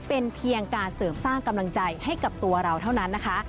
เป็นเพียงการเสริมสร้างกำลังใจให้กับตัวเราเท่านั้นนะคะ